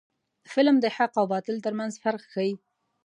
فلم د حق او باطل ترمنځ فرق ښيي